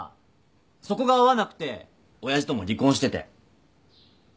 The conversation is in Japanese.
そこが合わなくて親父とも離婚してて。